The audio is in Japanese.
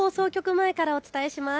前からお伝えします。